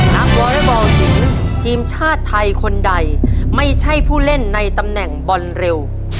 วอเล็กบอลหญิงทีมชาติไทยคนใดไม่ใช่ผู้เล่นในตำแหน่งบอลเร็ว